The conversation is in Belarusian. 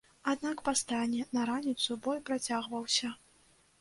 Аднак па стане на раніцу бой працягваўся.